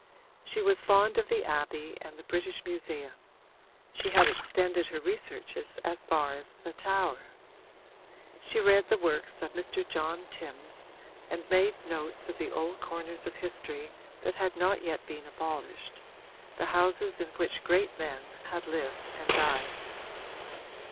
She was fond of the Abbey and the British Museum she had extended her researches as far as the Tower. She read the works of Mr. John Timbs and made notes of the old corners of history that had not yet been abolished the houses in which great men had lived and died.